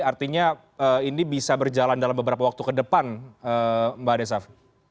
artinya ini bisa berjalan dalam beberapa waktu ke depan mbak desaf